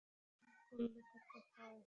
গুণ করলে কত হয়?